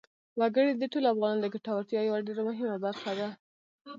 وګړي د ټولو افغانانو د ګټورتیا یوه ډېره مهمه برخه ده.